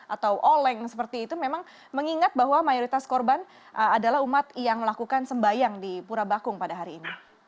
atau oleng seperti itu memang mengingat bahwa mayoritas korban adalah umat yang melakukan sembayang di pura bakung pada hari ini